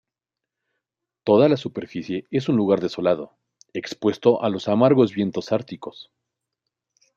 Toda la superficie es un lugar desolado, expuesto a los amargos vientos árticos.